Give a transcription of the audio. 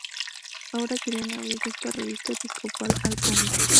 Ahora querían abrir esta revista episcopal al cómic.